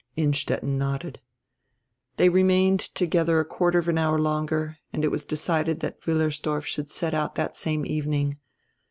Innstetten nodded. They remained together a quarter of an hour longer and it was decided that Wiillersdorf should set out diat same evening.